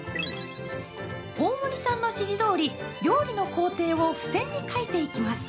大森さんの指示どおり料理の工程を付箋に書いていきます。